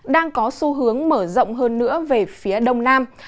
đang có xu hướng mở rộng hơn nữa về phía đông nam